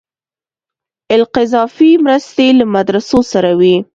القذافي مرستې له مدرسو سره وې.